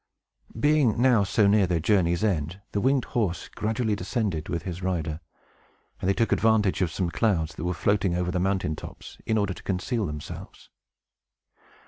Being now so near their journey's end, the winged horse gradually descended with his rider; and they took advantage of some clouds that were floating over the mountain tops, in order to conceal themselves.